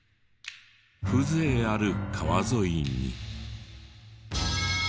風情ある川沿いに。